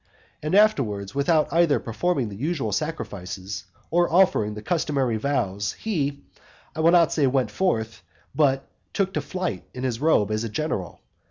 And afterwards, without either performing the usual sacrifices, or offering the customary vows, he, I will not say went forth, but took to flight in his robe as a general.